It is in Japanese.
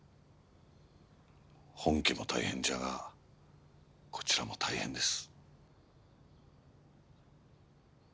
本家も大変じゃがこちらも大変です。